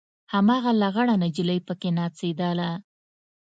هماغه لغړه نجلۍ پکښې نڅېدله.